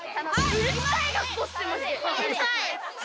うるさい！